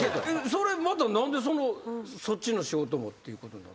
それまた何でそっちの仕事もっていうことになったの？